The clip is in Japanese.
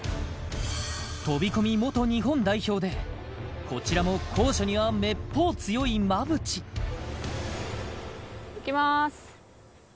飛込元日本代表でこちらも高所にはめっぽう強い馬淵いきます